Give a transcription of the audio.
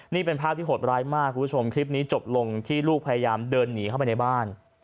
นี่เป็นภาพที่โหดร้ายมากคุณผู้ชมคลิปนี้จบลงที่ลูกพยายามเดินหนีเข้าไปในบ้าน